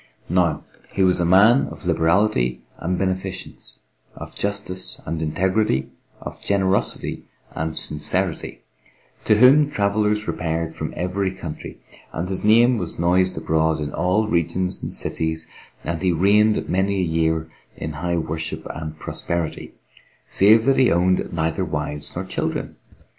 Now he was a man of liberality and beneficence, of justice and integrity, of generosity and sincerity, to whom travellers repaired from every country, and his name was noised abroad in all regions and cities and he reigned many a year in high worship and prosperity, save that he owned neither wives nor children.